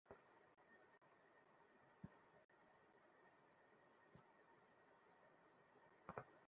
কেবল যে মেঘগুলো ঐ জ্ঞানসূর্যকে ঢেকে রেখেছে, সেইগুলো আমাদের দূর করে দিতে হবে।